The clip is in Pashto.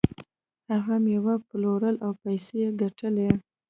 هغه میوه پلورله او پیسې یې ګټلې.